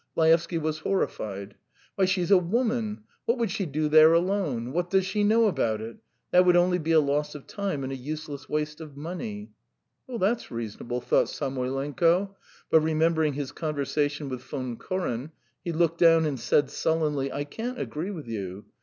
Laevsky was horrified. "Why, she's a woman; what would she do there alone? What does she know about it? That would only be a loss of time and a useless waste of money." "That's reasonable ..." thought Samoylenko, but remembering his conversation with Von Koren, he looked down and said sullenly: "I can't agree with you.